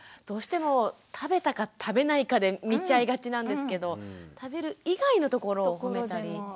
どうしても食べたか食べないかで見ちゃいがちなんですけど食べる以外のところをほめたり。